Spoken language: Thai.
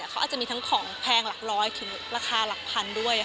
เขาอาจจะมีทั้งของแพงหลักร้อยถึงราคาหลักพันด้วย